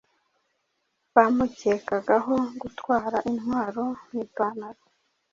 bamukekaho gutwara intwaro mu ipantaro.